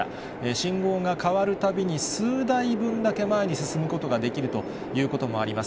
信号が変わるたびに、数台分だけ前に進むことができるということもあります。